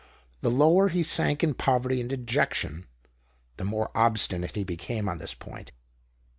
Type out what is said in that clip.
The lower he sank in poverty and dejection, the more obstinate he became on this point.